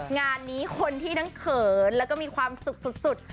งานนี้คนที่ทั้งเขินแล้วก็มีความสุขสุด